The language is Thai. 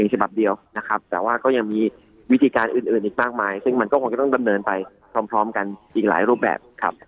แต่ว่าก็ยังมีวิธีการอื่นอีกมากมายซึ่งมันก็คงต้องกำเนินไปพร้อมกันอีกหลายรูปแบบ